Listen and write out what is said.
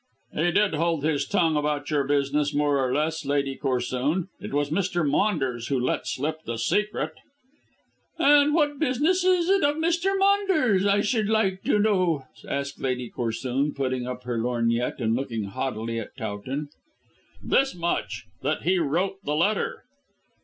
"He did hold his tongue about your business, more or less, Lady Corsoon. It was Mr. Maunders who let slip the secret." "And what business is it of Mr. Maunders', I should like to know?" asked Lady Corsoon, putting up her lorgnette and looking haughtily at Towton. "This much that he wrote the letter."